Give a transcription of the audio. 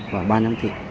và ba năm thị